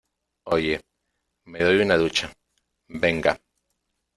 oye, me doy una ducha. venga .